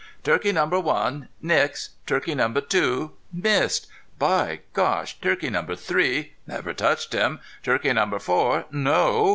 "Turkey number one Nix!... Turkey number two missed, by Gosh!... Turkey number three never touched him!... Turkey number four No!...